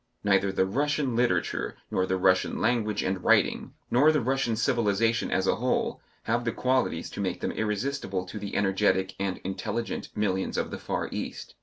Neither the Russian literature nor the Russian language and writing, nor the Russian civilization as a whole have the qualities to make them irresistible to the energetic and intelligent millions of the far East.